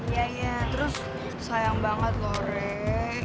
iya iya terus sayang banget loh rek